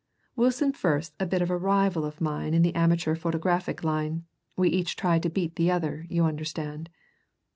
Wilson Firth's a bit of a rival of mine in the amateur photographic line we each try to beat the other, you understand.